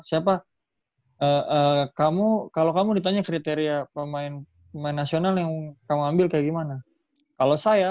siapa kamu kalau kamu ditanya kriteria pemain pemain nasional yang kamu ambil kayak gimana kalau saya